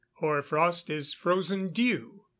_ Hoar frost is frozen dew. 363.